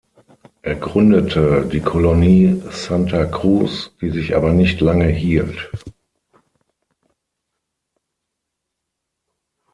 Er gründete die Kolonie Santa Cruz, die sich aber nicht lange hielt.